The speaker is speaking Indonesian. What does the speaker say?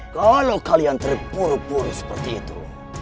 kalau kalian terpuru buru seperti itu